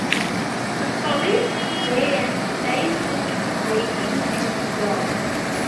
The police then lay siege to the inn at dawn.